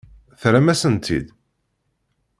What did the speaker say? Terram-asen-tt-id?